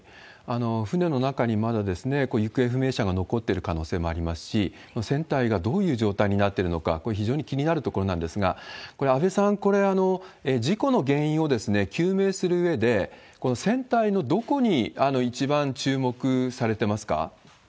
船の中にまだ行方不明者が残ってる可能性がありますし、船体がどういう状態になってるのか、これ、非常に気になるところなんですが、これ、安倍さん、事故の原因を救命するうえで、船体のどこに一番注目されてますか？